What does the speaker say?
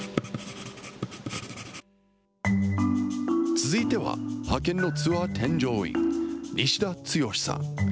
続いては、派遣のツアー添乗員、西田剛さん。